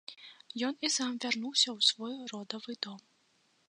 Ён і сам вярнуўся ў свой родавы дом.